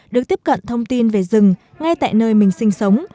được tiếp cận thông tin về rừng ngay tại nơi mình sinh sống